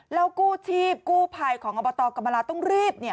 แล้วกู้ทีบกู้ภัยของอบตกำลาลต้องรีบเนี่ย